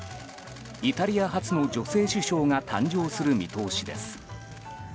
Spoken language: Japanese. イタリア初の女性首相が誕生する見通しです。